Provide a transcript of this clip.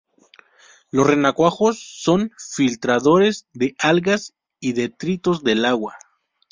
Los renacuajos son filtradores de algas y detritos del agua.